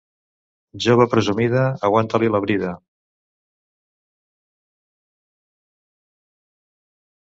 Jove presumida, aguanta-li la brida.